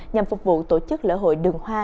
nhằm phục vụ tổ chức lễ hội đường hoa